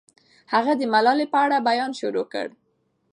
هغه د ملالۍ په اړه بیان شروع کړ.